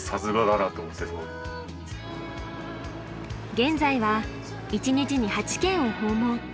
現在は一日に８軒を訪問。